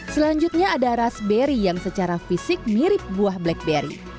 selanjutnya ada raspberry yang secara fisik mirip buah blackberry